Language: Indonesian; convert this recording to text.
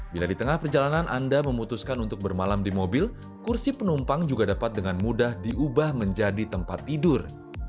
bila di tengah perjalanan anda memutuskan untuk bermalam di mobil kursi penumpang juga dapat dengan mudah diubah menjadi tempat tidur